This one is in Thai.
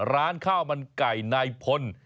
ร้านข้าวมันไก่นายพล